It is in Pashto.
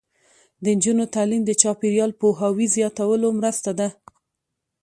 د نجونو تعلیم د چاپیریال پوهاوي زیاتولو مرسته ده.